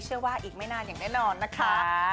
เชื่อว่าอีกไม่นานอย่างแน่นอนนะคะ